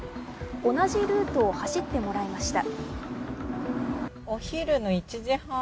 同じルートを走ってもらいました。